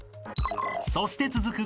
［そして続く］